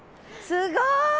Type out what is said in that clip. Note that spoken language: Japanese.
すごい！